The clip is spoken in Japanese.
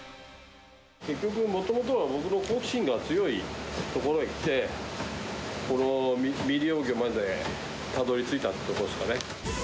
結局、もともとは僕の好奇心が強いところへきて、この未利用魚までたどりついたってことですかね。